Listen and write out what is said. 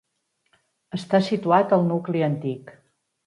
Està situat al nucli antic.